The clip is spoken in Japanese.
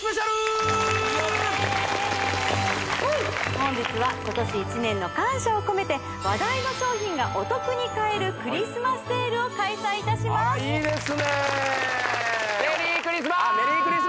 本日は今年一年の感謝を込めて話題の商品がお得に買えるクリスマスセールを開催いたしますいいですねメリークリスマス！